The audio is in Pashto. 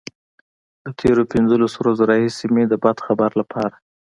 له تېرو پنځلسو ورځو راهيسې مې د بد خبر لپاره.